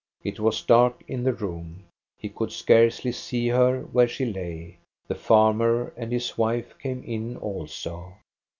It was dark in the room. He could scarcely see her where she lay. The farmer and his wife came in also.